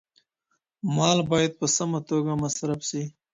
مال بايد په سمه توګه مصرف سي.